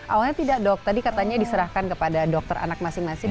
awalnya tidak dok tadi katanya diserahkan kepada dokter anak masing masing